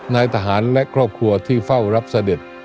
นายทหารและครอบครัวที่เฝ้ารับเสด็จ